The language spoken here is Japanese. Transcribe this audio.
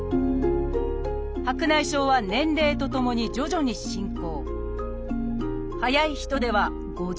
白内障は年齢とともに徐々に進行。